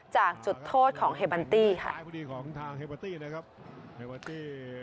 จากจุดโทษของเฮบันตี้ค่ะของทางเฮบัตตี้นะครับเฮบัตตี้